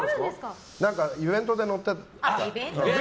イベントで乗ってた。